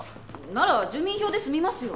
なら住民票で済みますよ。